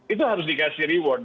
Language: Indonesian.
itu harus dikasih reward